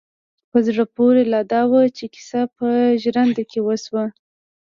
په زړه پورې لا دا وه چې کيسه په ژرنده کې وشوه.